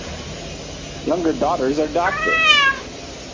Younger daughters are doctors.